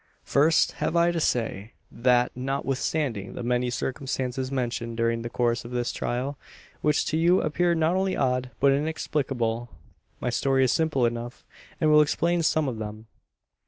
"First, have I to say: that, notwithstanding the many circumstances mentioned during the course of this trial which to you appear not only odd, but inexplicable my story is simple enough; and will explain some of them.